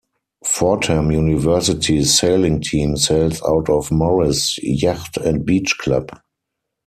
Fordham University's Sailing Team sails out of Morris Yacht and Beach Club.